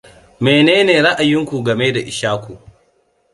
Mene ne ra'ayinki game da Ishaku?